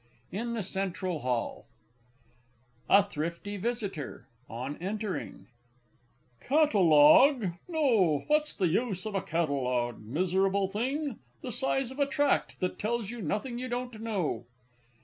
IN THE CENTRAL HALL. A THRIFTY VISITOR (on entering). Catalogue? No. What's the use of a Catalogue? Miserable thing, the size of a tract, that tells you nothing you don't know!